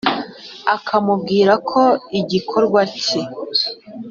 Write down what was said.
Akamubwira ko igikorwa cye